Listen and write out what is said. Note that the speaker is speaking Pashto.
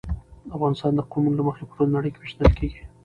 افغانستان د قومونه له مخې په ټوله نړۍ کې پېژندل کېږي.